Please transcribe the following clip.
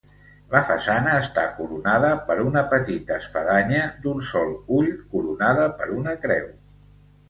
La façana està coronada per una petita espadanya d'un sol ull coronada per una creu.